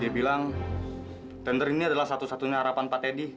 dia bilang tender ini adalah satu satunya harapan pak teddy